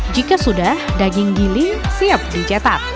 jika sudah daging giling siap dicetak